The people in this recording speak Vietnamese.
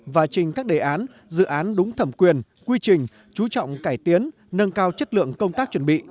và trình các đề án dự án đúng thẩm quyền quy trình chú trọng cải tiến nâng cao chất lượng công tác chuẩn bị